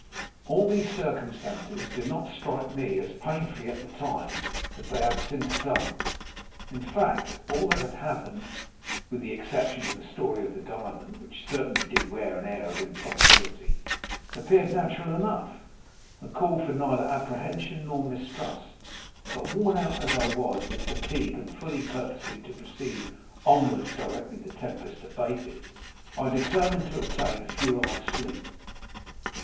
"All these circumstances did not strike me as painfully at the time as they have since done; in fact, all that had happened (with the exception of the story of the diamond, which certainly did wear an air of improbability), appeared natural enough, and called for neither apprehension nor mistrust; but, worn out as I was with fatigue, and fully purposing to proceed onwards directly the tempest abated, I determined to obtain a few hours' sleep.